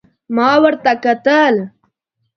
ما ورته کتل ،